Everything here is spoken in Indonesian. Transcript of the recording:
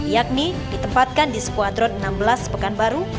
yakni ditempatkan di skuadron enam belas pekanbaru